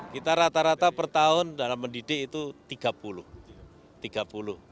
kita rata rata per tahun dalam mendidik itu tiga puluh